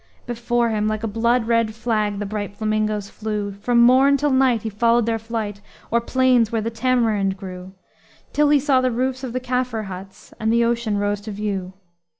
Before him, like a blood red flag, The bright flamingoes flew; From morn till night he followed their flight, O'er plains where the tamarind grew, Till he saw the roofs of Caffre huts, And the ocean rose to view.